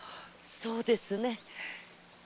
そうですね。